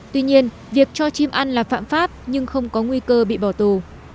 tuy nhiên việc cho chim ăn là phạm pháp nhưng không có nguy cơ bị bỏ tù